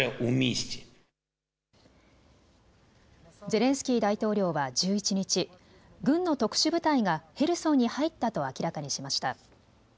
ゼレンスキー大統領は１１日、軍の特殊部隊がヘルソンに入ったと明らかにしました。